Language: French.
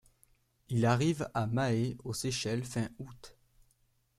Il arrive à Mahé, aux Seychelles fin août.